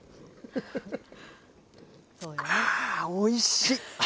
おいしい！